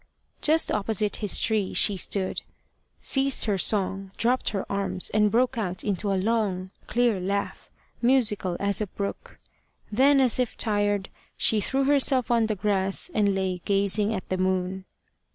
Just opposite his tree she stood, ceased her song, dropped her arms, and broke out into a long clear laugh, musical as a brook. Then, as if tired, she threw herself on the grass, and lay gazing at the moon.